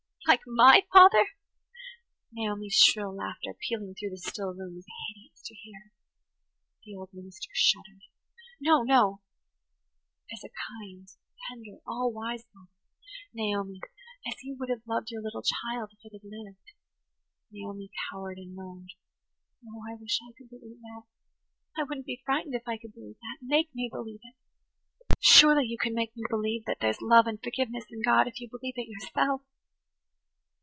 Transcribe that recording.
"Like my father?" Naomi's shrill laughter, pealing through the still room, was hideous to hear. The old minister shuddered. [Page 107] "No–no ! As a kind, tender, all wise father, Naomi–as you would have loved your little child if it had lived." Naomi cowered and moaned. "Oh, I wish I could believe that. I wouldn't be frightened if I could believe that. Make me believe it. Surely you can make me believe that there's love and forgiveness in God if you believe it yourself."